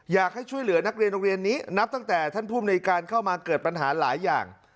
อยากให้ช่วยเหลือนักเรียนโรงเรียนนี้นับตั้งแต่ท่านภูมิในการเข้ามาเกิดปัญหาหลายอย่าง